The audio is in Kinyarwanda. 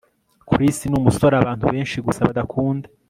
Chris numusore abantu benshi gusa badakunda